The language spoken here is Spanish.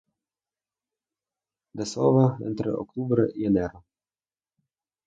Desova entre octubre y enero.